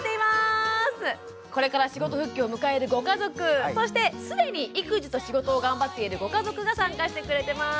これから仕事復帰を迎えるご家族そしてすでに育児と仕事を頑張っているご家族が参加してくれてます。